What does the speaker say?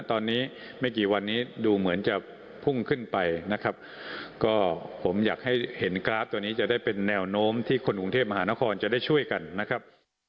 ตอนนี้ไม่กี่วันนี้ดูเหมือนจะพุ่งขึ้นไปนะครับก็ผมอยากให้เห็นกราฟตัวนี้จะได้เป็นแนวโน้มที่คนกรุงเทพมหานครจะได้ช่วยกันนะครับ